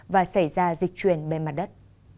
và xảy ra dịch truyền bề mặt đất